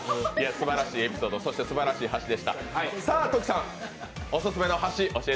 すばらしいエピソードそして、すばらしい橋でした。